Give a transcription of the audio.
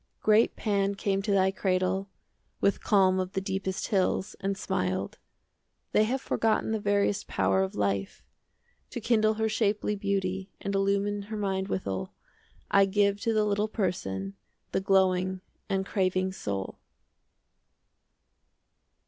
Great Pan came to thy cradle, With calm of the deepest hills, And smiled, "They have forgotten The veriest power of life. 20 "To kindle her shapely beauty, And illumine her mind withal, I give to the little person The glowing and craving soul."